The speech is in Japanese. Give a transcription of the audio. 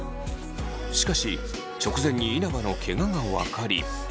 しかし直前に稲葉のケガが分かり。